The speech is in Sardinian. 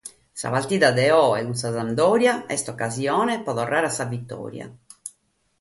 Sa partida de oe cun sa Sampdoria est ocasione pro torrare a sa vitòria.